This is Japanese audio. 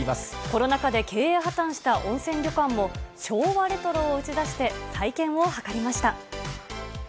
コロナ禍で経営破綻した温泉旅館も、昭和レトロを打ち出して再建を図りました。